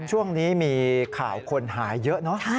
ช่วงนี้มีข่าวคนหายเยอะเนอะ